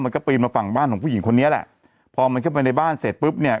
ปีนมาฝั่งบ้านของผู้หญิงคนนี้แหละพอมันเข้าไปในบ้านเสร็จปุ๊บเนี่ย